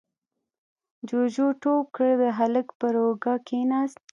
جُوجُو ټوپ کړل، د هلک پر اوږه کېناست: